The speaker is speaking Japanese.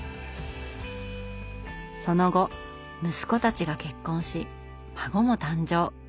その後息子たちが結婚し孫も誕生。